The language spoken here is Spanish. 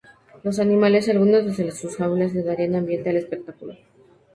Los animales, algunos desde sus jaulas, le darían ambiente al espectáculo.